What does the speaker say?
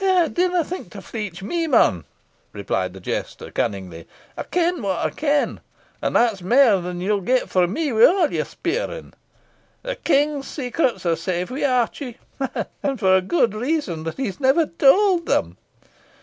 "Dinna think to fleech me, man," replied the jester, cunningly. "I ken what I ken, and that's mair than you'll get frae me wi' a' your speering. The King's secrets are safe wi' Archie and for a good reason, that he is never tauld them.